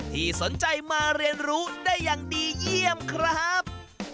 ที่สนใจมาเรียนรู้ได้อย่างดีเยี่ยมครับ